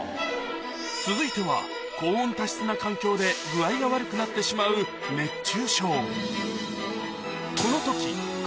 続いては高温多湿な環境で具合が悪くなってしまう熱中症